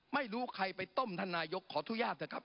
ไม่รู้ใครไปต้มท่านนายกขออนุญาตเถอะครับ